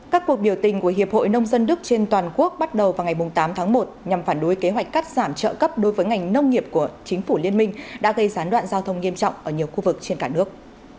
các cuộc biểu tình của hiệp hội nông dân đức trên toàn quốc bắt đầu vào ngày tám tháng một nhằm phản đối kế hoạch cắt giảm trợ cấp đối với ngành nông nghiệp của chính phủ liên minh đã gây gián đoạn giao thông nghiêm trọng ở nhiều khu vực trên cả nước